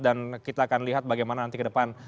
dan kita akan lihat bagaimana nanti ke depan